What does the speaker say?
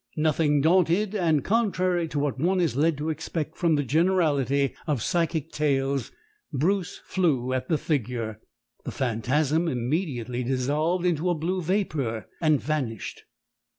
"Nothing daunted, and contrary to what one is led to expect from the generality of psychic tales, Bruce flew at the figure. "The phantasm immediately dissolved into a blue vapour and vanished.